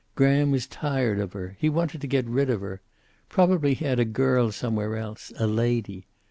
Graham was tired of her. He wanted to get rid of her. Probably he had a girl somewhere else, a lady.